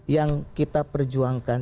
yang kita perjuangkan